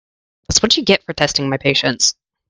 That’s what you get for testing my patience.